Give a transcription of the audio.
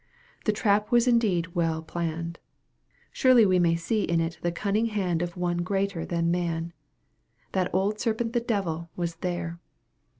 The trap was indeed well planned. Surely we may see in it the cunning hand of one greater than man. That old serpent the devil was there.